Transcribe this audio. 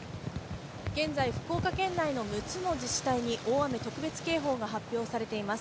現在、福岡県内の６つの自治体に大雨特別警報が発表されています。